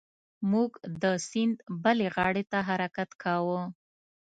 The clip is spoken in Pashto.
موږ د سیند بلې غاړې ته حرکت کاوه.